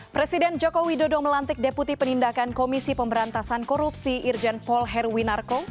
presiden joko widodo melantik deputi penindakan komisi pemberantasan korupsi irjen paul heruwinarko